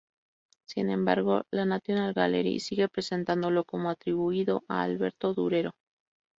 Sin embargo, la National Gallery sigue presentándolo como "atribuido a Alberto Durero".